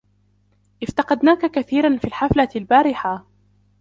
افتقدناكَ كثيراً في الحفلة البارحة